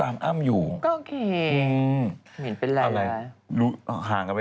อ้าวอ้าวอ้าวอ้าวอ